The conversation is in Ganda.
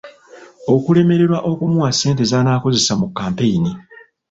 Okulemererwa okumuwa ssente zanaakozesa mu kkampeyini.